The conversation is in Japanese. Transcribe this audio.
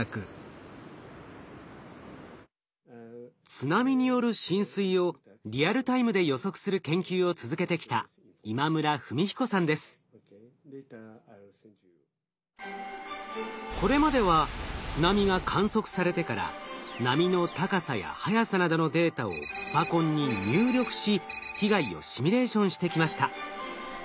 津波による浸水をリアルタイムで予測する研究を続けてきたこれまでは津波が観測されてから波の高さや速さなどのデータをスパコンに入力し被害をシミュレーションしてきました。